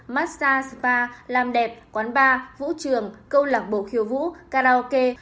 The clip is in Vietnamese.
massag spa làm đẹp quán bar vũ trường câu lạc bộ khiêu vũ karaoke